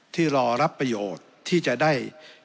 ที่รอรับประโยชน์ที่จะได้